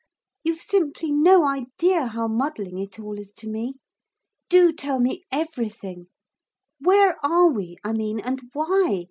You've simply no idea how muddling it all is to me. Do tell me everything. Where are we, I mean, and why?